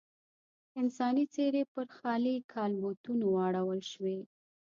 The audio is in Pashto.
انساني څېرې پر خالي کالبوتونو واړول شوې.